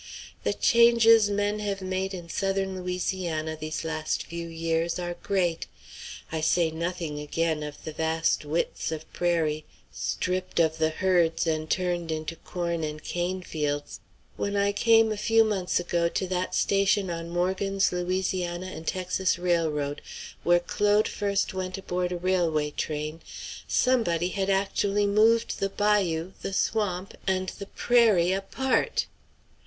The changes men have made in Southern Louisiana these last few years are great. I say nothing, again, of the vast widths of prairie stripped of the herds and turned into corn and cane fields: when I came, a few months ago, to that station on Morgan's Louisiana and Texas Railroad where Claude first went aboard a railway train, somebody had actually moved the bayou, the swamp, and the prairie apart!